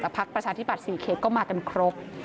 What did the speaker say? พักประชาที่ปัดสี่เข็กก็มากันครบ